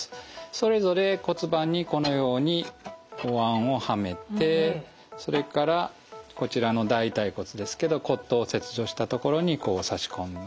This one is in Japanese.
それぞれ骨盤にこのようにおわんをはめてそれからこちらの大腿骨ですけど骨頭を切除した所に差し込みます。